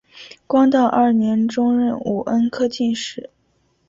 道光二年中壬午恩科进士。